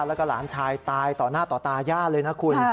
แล้วก็หลานชายตายต่อหน้าต่อตาย่าเลยนะคุณ